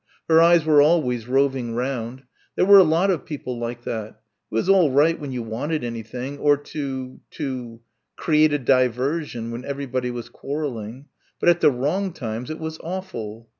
Her eyes were always roving round.... There were a lot of people like that.... It was all right when you wanted anything or to to "create a diversion" when everybody was quarrelling. But at the wrong times it was awful....